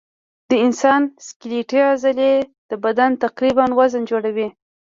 د انسان سکلیټي عضلې د بدن تقریباً وزن جوړوي.